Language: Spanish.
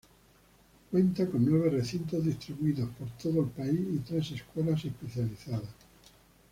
Cuenta con nueve recintos distribuidos por todo el país y tres escuelas especializadas.